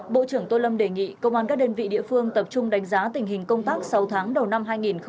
bộ trưởng tô lâm đề nghị công an các đơn vị địa phương tập trung đánh giá tình hình công tác sáu tháng đầu năm hai nghìn hai mươi